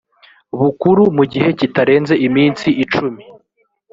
bukuru mu gihe kitarenze iminsi icumi